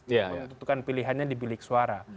yang menentukan pilihannya di bilik suara